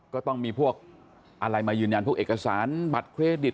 ก็ต้องมีพวกอะไรมายืนยันพวกเอกสารบัตรเครดิต